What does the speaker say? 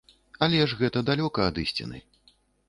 Але ж гэта далёка ад ісціны.